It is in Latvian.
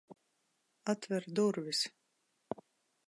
Atver durvis!